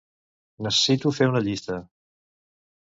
Necessito fer una llista.